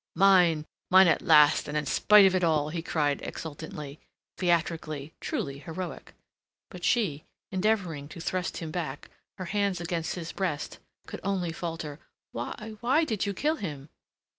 "Mine, mine at last, and in spite of all!" he cried exultantly, theatrically, truly heroic. But she, endeavouring to thrust him back, her hands against his breast, could only falter: "Why, why did you kill him?"